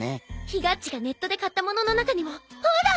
ひがっちがネットで買ったものの中にもほら！